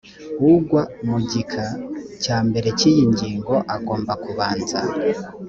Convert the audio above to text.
ugwa mu gika cya mbere cy iyi ngingo agomba kubanza